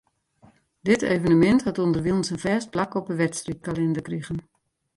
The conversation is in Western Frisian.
Dit evenemint hat ûnderwilens in fêst plak op 'e wedstriidkalinder krigen.